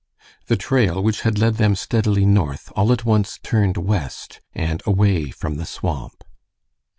The trail, which had led them steadily north, all at once turned west and away from the swamp.